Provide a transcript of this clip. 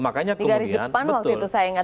makanya kemudian betul